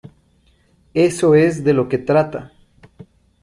Eso es de lo que trata.